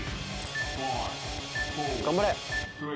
頑張れ！